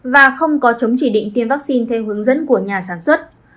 và không có chống chỉ định tiêm vaccine theo hướng dẫn của nhà sản xuất